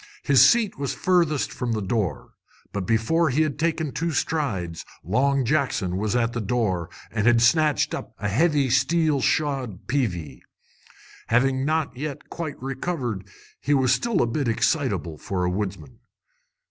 His seat was furthest from the door. But before he had taken two strides, Long Jackson was at the door, and had snatched up a heavy steel shod "peevy." Having not yet quite recovered, he was still a bit excitable for a woodsman.